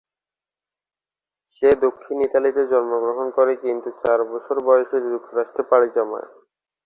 সে দক্ষিণ ইতালিতে জন্মগ্রহণ করে কিন্তু চার বছর বয়সে যুক্তরাষ্ট্রে পাড়ি জমায়।